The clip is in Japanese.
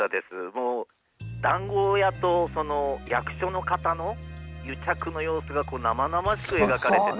もう談合屋とその役所の方の癒着の様子がこう生々しく描かれてて。